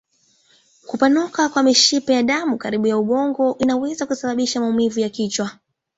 Kupanuka kwa mishipa ya damu karibu na ubongo inaweza kusababisha maumivu ya kichwa.